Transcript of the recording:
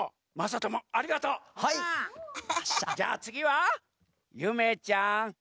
じゃあつぎはゆめちゃん。